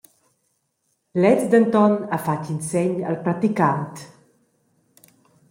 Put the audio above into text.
Lez denton ha fatg in segn al praticant.